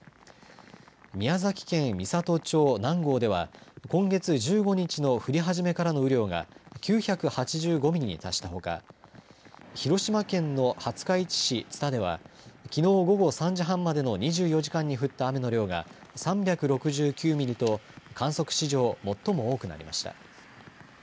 宮崎県美郷町南郷では今月１５日の降り始めからの雨量が９８５ミリに達したほか広島県の廿日市市津田ではきのう午後３時半までの２４時間に降った雨の量が３６９ミリと観測史上、最も多くなりました。